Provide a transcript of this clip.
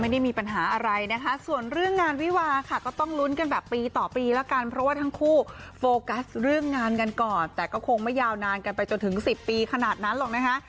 ไม่ได้มีปัญหาอะไรนะคะส่วนเรื่องงานวิวาค่ะก็ต้องลุ้นกันแบบปีต่อปีแล้วกันเพราะว่าทั้งคู่โฟกัสเรื่องงานกันก่อนแต่ก็คงไม่ยาวนานกันไปจนถึง๑๐ปีขนาดนั้นหรอกนะคะ